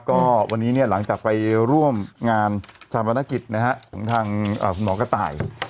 ก็วันนี้เนี้ยหลังจากไปร่วมงานชาวบรรณกิจนะฮะของทางอ่าหมอกตาย